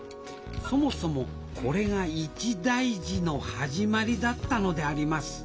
そもそもこれが一大事の始まりだったのであります